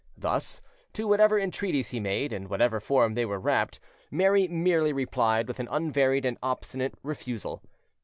Thus, to whatever entreaties he made, in whatever form they were wrapped, Mary merely replied with an unvaried and obstinate refusal.